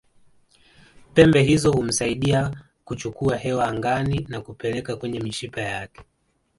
Pembe hizo humsaidia kuchukua hewa angani na kupeleka kwenye mishipa yake